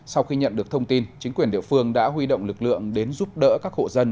sau khi nhận được thông tin chính quyền địa phương đã huy động lực lượng đến giúp đỡ các hộ dân